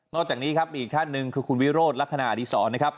จากนี้ครับมีอีกท่านหนึ่งคือคุณวิโรธลักษณะอดีศรนะครับ